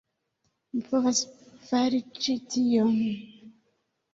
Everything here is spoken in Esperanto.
Mi povas fari ĉi tion!